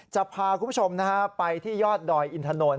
จะพาคุณผู้ชมไปที่ยอดดอยอินทนนท